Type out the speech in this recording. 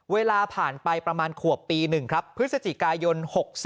เวลาผ่านไปประมาณขวบปี๑ครับพฤศจิกายน๖๔